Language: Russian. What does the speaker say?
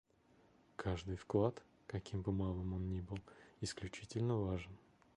Каждый вклад, каким бы малым он ни был, исключительно важен.